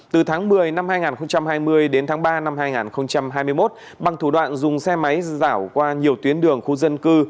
từ tháng một mươi năm hai nghìn hai mươi đến tháng ba năm hai nghìn hai mươi một bằng thủ đoạn dùng xe máy giảo qua nhiều tuyến đường khu dân cư